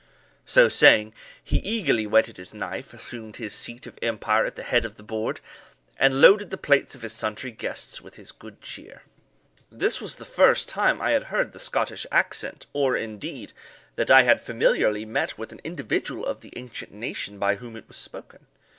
So saying, he eagerly whetted his knife, assumed his seat of empire at the head of the board, and loaded the plates of his sundry guests with his good cheer. This was the first time I had heard the Scottish accent, or, indeed, that I had familiarly met with an individual of the ancient nation by whom it was spoken.